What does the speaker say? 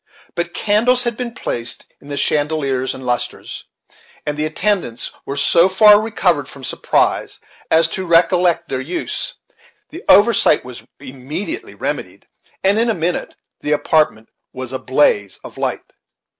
But candles had been placed in the chandeliers and lustres, and the attendants were so far recovered from surprise as to recollect their use; the oversight was immediately remedied, and in a minute the apartment was in a blaze of light.